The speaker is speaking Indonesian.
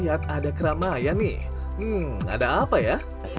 lihat ada keramaian nih hmm ada apa ya